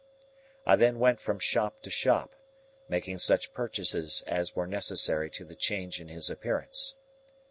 I then went from shop to shop, making such purchases as were necessary to the change in his appearance.